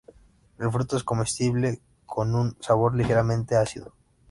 El fruto es comestible, con un sabor ligeramente ácido.